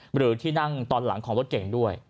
หรือที่นั่งตอนหลังของรถเก่งด้วย